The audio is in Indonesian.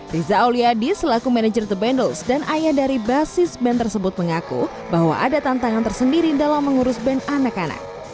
riza auliadi selaku manager the bandels dan ayah dari basis band tersebut mengaku bahwa ada tantangan tersendiri dalam mengurus band anak anak